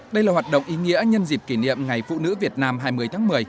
đây là hoạt động ý nghĩa nhân dịp kỷ niệm ngày phụ nữ việt nam hai mươi tháng một mươi